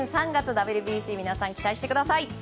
ＷＢＣに皆さん、期待してください。